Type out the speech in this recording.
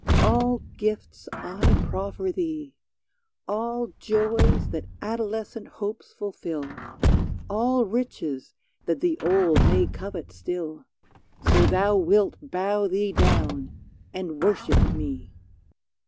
all gifts I proffer thee — All joys that adolescent hopes fulfill, All riches that the old may covet still — So thou wilt bow thee down and worship me